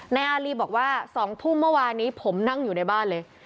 อารีบอกว่า๒ทุ่มเมื่อวานนี้ผมนั่งอยู่ในบ้านเลย